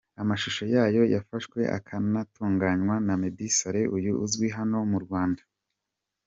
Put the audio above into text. amashusho yayo yafashwe akanatunganywa na Meddy Saleh uyu uzwi hano mu Rwanda.